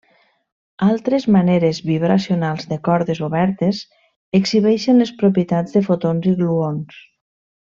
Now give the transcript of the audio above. Altres maneres vibracionals de cordes obertes exhibeixen les propietats de fotons i gluons.